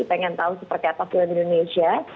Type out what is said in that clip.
pengen tahu seperti apa film indonesia